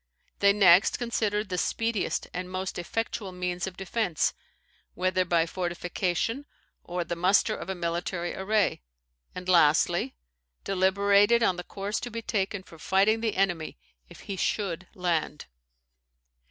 They next considered the speediest and most effectual means of defence, whether by fortification or the muster of a military array; and, lastly, deliberated on the course to be taken for fighting the enemy if he should land."